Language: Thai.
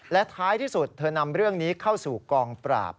และท้ายที่สุดเธอนำเรื่องนี้เข้าสู่กองปราบ